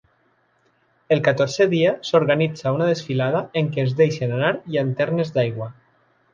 El catorzè dia s'organitza una desfilada en què es deixen anar llanternes d'aigua.